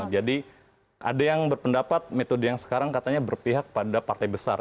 ada yang berpendapat metode yang sekarang katanya berpihak pada partai besar